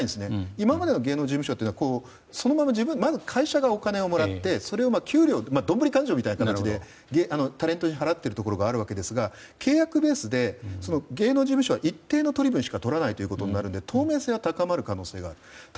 今までの芸能事務所というのはまず会社がお金をもらってどんぶり勘定みたいな形でタレントに払っているところがあるわけですが、契約ベースで芸能事務所は一定の取り分しか取らないということなので透明性は高まる可能性はある。